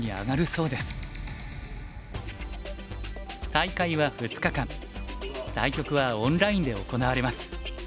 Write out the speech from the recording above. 大会は２日間対局はオンラインで行われます。